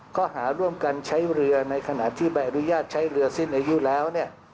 ข้อหาร่วมกันใช้เรือในขณะที่ใบอนุญาตใช้เรือสิ้นอายุแล้วเนี่ย